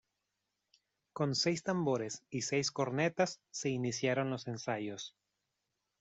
Con seis tambores y seis cornetas se iniciaron los ensayos.